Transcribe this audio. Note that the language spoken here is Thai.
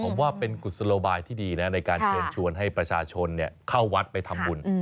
ผมว่าเป็นกุศโลบายที่ดีนะในการเชิญชวนให้ประชาชนเข้าวัดไปทำบุญ